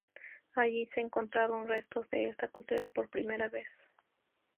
Allí se encontraron restos de esta cultura por primera vez.